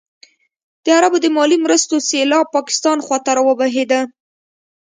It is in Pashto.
د عربو د مالي مرستو سېلاب پاکستان خوا ته راوبهېده.